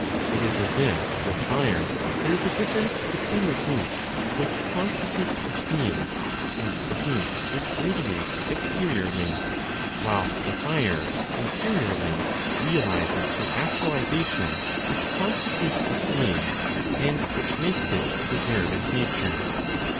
It is as if with fire: there is a difference between the heat which constitutes its being, and the heat which radiates exteriorly, while the fire interiorly realizes the actualization which constitutes its being, and which makes it preserve its nature.